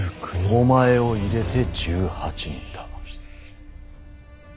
お前を入れて１８人だ。